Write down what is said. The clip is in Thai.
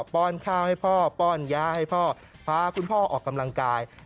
ป้อนข้าวให้พ่อป้อนยาให้พ่อพาคุณพ่อออกกำลังกาย